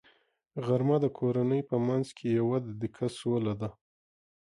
غرمه د کورنۍ په منځ کې یوه دقیقه سوله ده